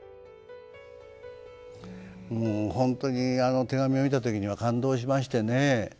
もう本当にあの手紙を見た時には感動しましてね。